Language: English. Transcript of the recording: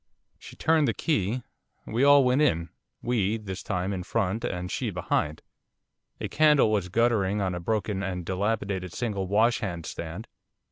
She turned the key. We all went in we, this time, in front, and she behind. A candle was guttering on a broken and dilapidated single washhand stand.